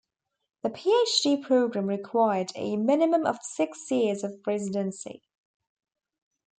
The PhD program required a minimum of six years of residency.